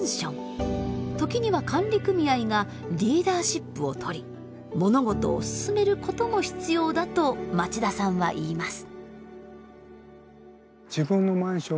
時には管理組合がリーダーシップをとり物事を進めることも必要だと町田さんは言います。